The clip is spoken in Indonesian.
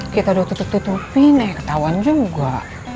kita udah tutup tutupin eh ketahuan juga